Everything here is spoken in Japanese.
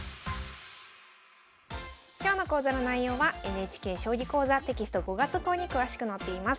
今日の講座の内容はＮＨＫ「将棋講座」テキスト５月号に詳しく載っています。